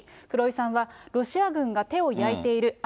黒井さんは、ロシア軍が手を焼いている。